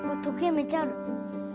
めっちゃある。